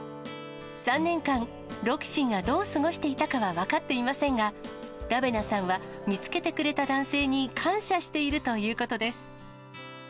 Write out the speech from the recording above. ３年間、ロキシーがどう過ごしていたかは分かっていませんが、ラベナさんは見つけてくれた男性に感謝しているということです。